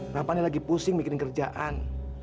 rampannya lagi pusing mikirin kerjaan